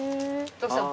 徳さん